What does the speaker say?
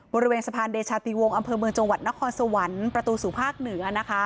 บริเวณสะพานเดชาติวงศ์อำเภอเมืองจังหวัดนครสวรรค์ประตูสู่ภาคเหนือนะคะ